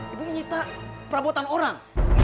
ibu minta perabotan orang